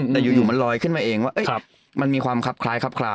แต่อยู่มันลอยขึ้นมาเองว่ามันมีความคับคล้ายครับคลา